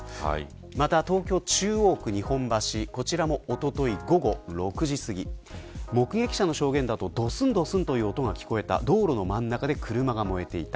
また東京、中央区日本橋こちらも、おととい午後６時すぎ目撃者の証言だとドスンドスンという音が聞こえた道路の真ん中で車が燃えていた。